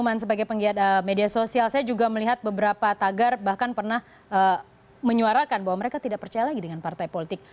saya sebagai penggiat media sosial saya juga melihat beberapa tagar bahkan pernah menyuarakan bahwa mereka tidak percaya lagi dengan partai politik